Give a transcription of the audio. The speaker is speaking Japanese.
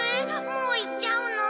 もういっちゃうの？